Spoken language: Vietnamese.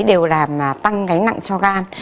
đều làm tăng gánh nặng cho gan